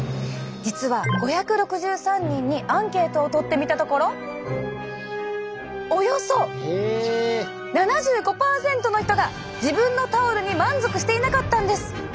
実は５６３人にアンケートをとってみたところおよそ７５％の人が自分のタオルに満足していなかったんです！